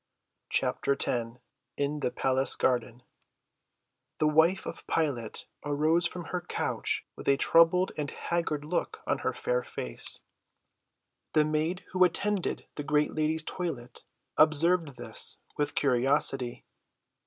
CHAPTER X IN THE PALACE GARDEN The wife of Pilate arose from her couch with a troubled and haggard look on her fair face. The maid who attended the great lady's toilet observed this with curiosity.